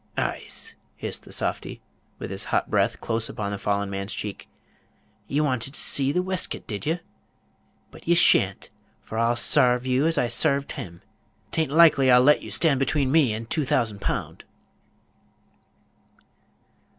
"E'es," hissed the softy, with his hot breath close upon the fallen man's cheek, "you wanted t' see th' weskit, did you? but you shan't, for I'll sarve you as I sarved him. 'T a'n't loikely I'll let you stand between me and two thousand pound."